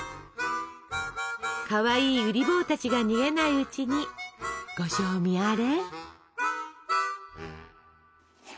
かわいいうり坊たちが逃げないうちにご賞味あれ！